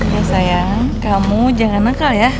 ya sayang kamu jangan nakal ya